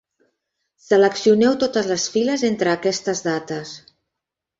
Seleccioneu totes les files entre aquestes dates.